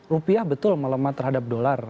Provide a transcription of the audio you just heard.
rupiah betul melemah terhadap dolar